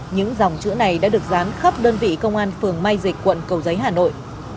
những dòng chữ này đã được rán khắp đơn vị công an phường mai dịch quận cầu giấy hà nội